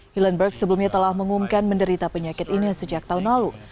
hillenburg sebelumnya telah mengumumkan menderita penyakit ini sejak tahun lalu